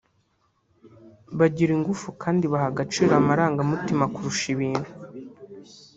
bagira ingufu kandi baha agaciro amarangamutima kurusha ibintu